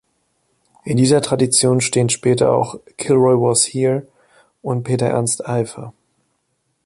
In dieser Tradition stehen später auch „Kilroy was here“ und Peter-Ernst Eiffe.